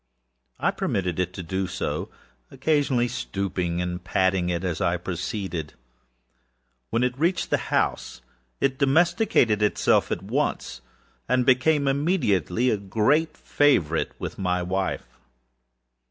I permitted it to do so; occasionally stooping and patting it as I proceeded. When it reached the house it domesticated itself at once, and became immediately a great favorite with my wife.